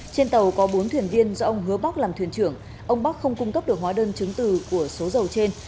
trên tàu có bốn thuyền viên do ông hứa bắc làm thuyền trưởng ông bắc không cung cấp được hóa đơn chứng từ của số dầu trên